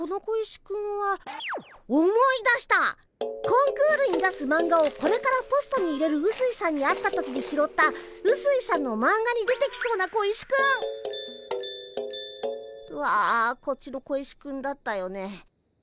コンクールに出すマンガをこれからポストに入れるうすいさんに会った時に拾ったうすいさんのマンガに出てきそうな小石くん！はこっちの小石くんだったよね。